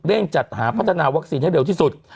จัดหาพัฒนาวัคซีนให้เร็วที่สุด